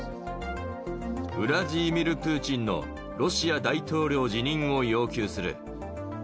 ウラジーミル・プーチンのロシア大統領辞任を要求する。